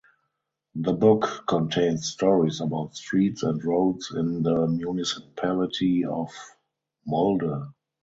The book contains stories about streets and roads in the municipality of Molde.